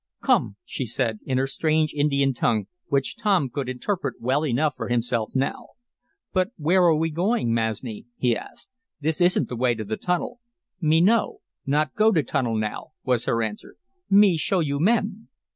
"Come," she said, in her strange Indian tongue, which Tom could interpret well enough for himself now. "But where are we going, Masni?" he asked. "This isn't the way to the tunnel." "Me know. Not go to tunnel now," was her answer. "Me show you men."